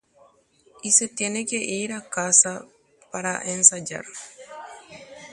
ha ohomiva'erã ógape roñensaja.